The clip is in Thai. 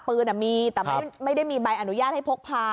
ปืนมีแต่ไม่ได้มีใบอนุญาตให้พกพา